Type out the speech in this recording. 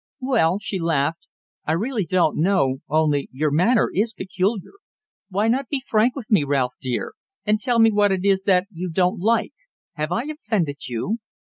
"Well," she laughed, "I really don't know, only your manner is peculiar. Why not be frank with me, Ralph, dear, and tell me what it is that you don't like. Have I offended you?"